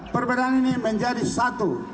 perbedaan ini menjadi satu